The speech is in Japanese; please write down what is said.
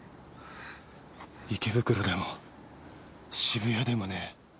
池袋でも渋谷でもねえ。